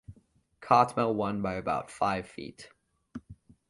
Cartmell won by about five feet.